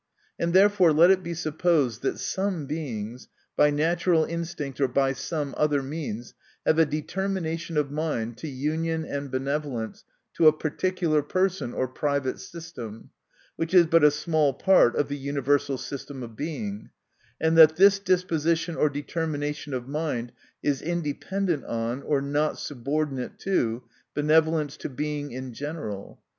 And therefore let it be supposed, that some Beings, by natural instinct, 01 by some other means, have, a determination of mind to union and benevolence to a particular person, or private system* which is but a small part of the uni versal system of Being : and that this disposition or determination of mind is independent on, or not subordinate to benevolence, to Being in general.